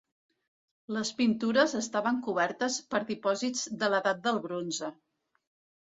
Les pintures estaven cobertes per dipòsits de l'edat del Bronze.